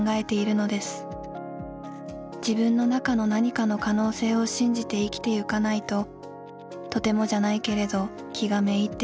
自分の中の何かの可能性を信じて生きてゆかないととてもじゃないけれど気が滅いってしまう。